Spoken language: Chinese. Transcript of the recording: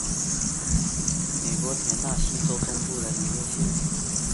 坎伯兰县是美国田纳西州东部的一个县。